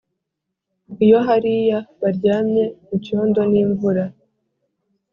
iyo hariya baryamye mucyondo n'imvura,